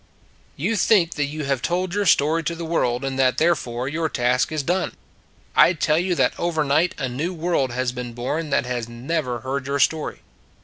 You think that you have told your story to the world, and that therefore your task is done. I tell you that over night a new world has been born that has never heard your story.